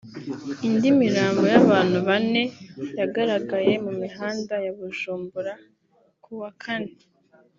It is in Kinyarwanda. Indi mirambo y’abantu bane yagaragaye mu mihanda ya Bujumbura ku wa Kane